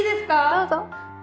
どうぞ。